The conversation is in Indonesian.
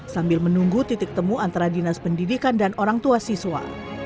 sambil menunggu titik temu antara dinas pendidikan dan orang tua siswa